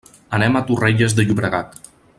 Anem a Torrelles de Llobregat.